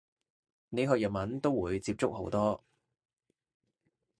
你學日文都會接觸好多